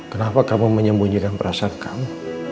kenapa kamu menyembunyikan perasaan kamu